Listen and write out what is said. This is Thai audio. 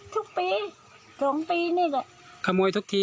ทุกปีสองปีนี่แหละขโมยทุกที